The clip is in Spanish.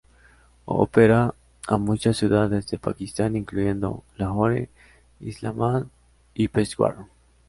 Opera a muchas ciudades de Pakistán incluyendo Lahore, Islamabad y Peshawar.